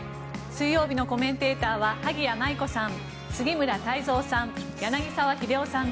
水曜日のコメンテーターは萩谷麻衣子さん、杉村太蔵さん